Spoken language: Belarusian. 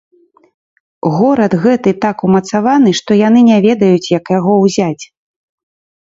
Горад гэты так умацаваны, што яны не ведаюць, як яго ўзяць.